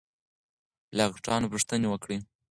له ډاکټرانو پوښتنې وکړئ.